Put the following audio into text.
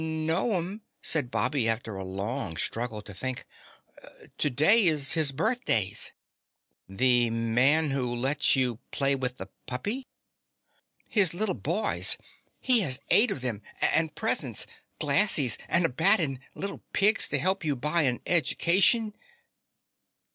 "No'm," said Bobby after a long struggle to think. "To day is his birthdays." "The Man's Who Lets You Play with the Puppy?" "His little boy's. He has eight of them and presents, glassies, and a bat, and little pigs to help buy you an edge cation."